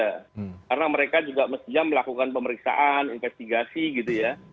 karena mereka juga mestinya melakukan pemeriksaan investigasi gitu ya